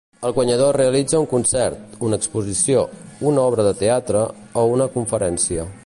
El guanyador realitza un concert, una exposició, una obra de teatre o una conferència.